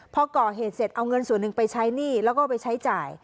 พอก่อเหตุเสร็จเอาเงินส่วนหนึ่งไปใช้หนี้แล้วก็ไปใช้จ่าย